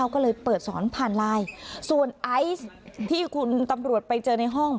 ก็เลยเปิดสอนผ่านไลน์ส่วนไอซ์ที่คุณตำรวจไปเจอในห้อง